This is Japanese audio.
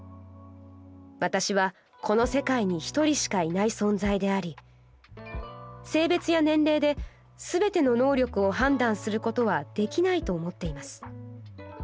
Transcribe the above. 私はこの世界に一人しかいない存在であり性別や年齢ですべての能力を判断することはできないと思っています。